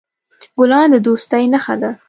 ګلان د دوستی نښه ده.